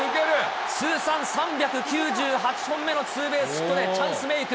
通算３９８本目のツーベースヒットでチャンスメーク。